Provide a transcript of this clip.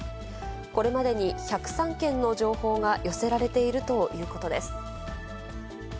これまでに１０３件の情報が寄せられているということです。